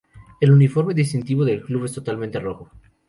El uniforme distintivo del Club es totalmente rojo.